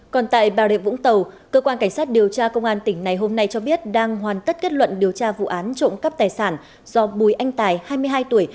còn tại bà rịa vũng tàu cơ quan cảnh sát điều tra công an tỉnh này hôm nay cho biết đang hoàn tất kết luận điều tra vụ án trộm cắp tài sản do bùi anh tài hai mươi hai tuổi